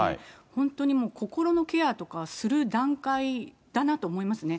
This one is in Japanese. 本当にもう心のケアとかする段階だなと思いますね。